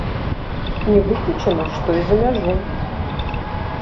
Не выключана, што і за мяжу.